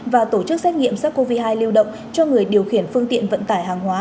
và tổ chức xét nghiệm sars cov hai lưu động cho người điều khiển phương tiện vận tải hàng hóa